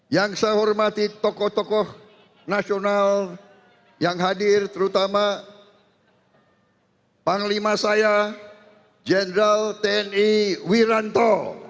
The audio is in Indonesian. yang saya hormati tokoh tokoh nasional yang hadir terutama panglima saya jenderal tni wiranto